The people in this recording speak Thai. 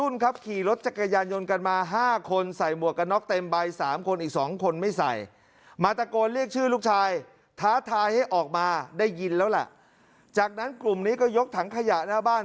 ได้ยินแล้วล่ะจากนั้นกลุ่มนี้ก็ยกถังขยะหน้าบ้าน